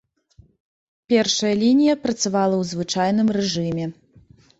Першая лінія працавала ў звычайным рэжыме.